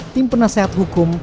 tim penasehat hukum